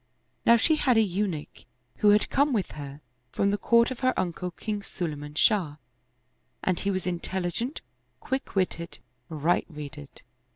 Now she had a Eunuch who had come with her from the court of her uncle King Sulayman Shah, and he was intelligent, quick witted, right reded.